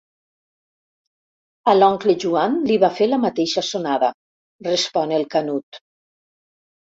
A l'oncle Joan li va fer la mateixa sonada, respon el Canut.